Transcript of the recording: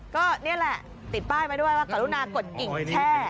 ก็นี้ละติดป้ายมาด้วยว่ากดุนากดกริ่งแพร่